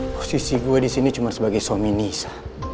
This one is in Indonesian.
posisi gue disini cuma sebagai suami nisa